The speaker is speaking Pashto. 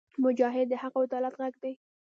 مجاهد د حق او عدالت غږ دی.